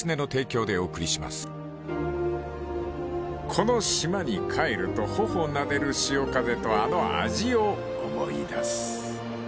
［この島に帰ると頬なでる潮風とあの味を思い出す］